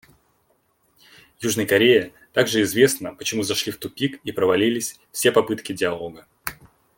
Южной Корее также известно, почему зашли в тупик и провалились все попытки диалога.